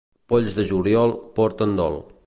Polls de juliol porten dol.